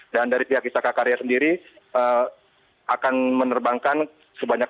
dan dari pihak istaka karya sendiri akan menerbangkan sebanyak enam jenazah